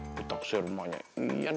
ditaksir rumahnya iyan